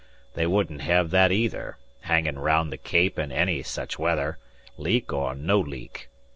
They wouldn't hev that either, hangin' araound the Cape in any sech weather, leak or no leak.